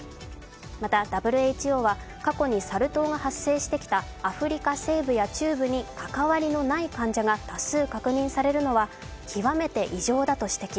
またＷＨＯは、過去にサル痘が発生してきたアフリカ西部や中部に関わりのない患者が多数確認されるのは極めて異常だと指摘。